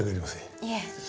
いえ。